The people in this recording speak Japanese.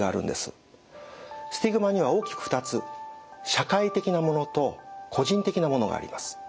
スティグマには大きく２つ社会的なものと個人的なものがあります。